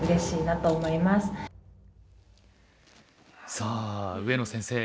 さあ上野先生